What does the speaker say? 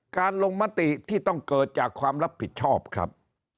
การลงมติที่ต้องเกิดจากความรับผิดชอบครับ